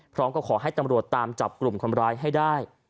พร้อมก็ขอให้ตำรวจตามจับกลุ่มคนร้ายให้ได้